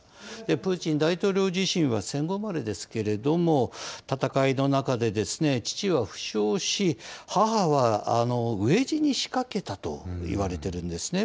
プーチン大統領自身は、戦後生まれですけれども、戦いの中で、父は負傷し、母は飢え死にしかけたといわれているんですね。